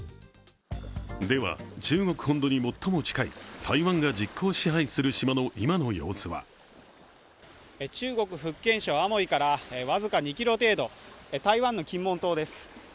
では、中国本土に最も近い台湾が実効支配する島の今の様子は中国・福建省厦門から僅か２ｋｍ程度、台湾の金門島です。